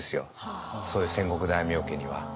そういう戦国大名家には。